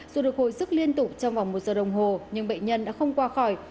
dù được hồi sức liên tục trong vòng một giờ đồng hồ nhưng bệnh nhân đã không qua khỏi